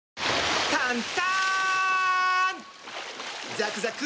ザクザク！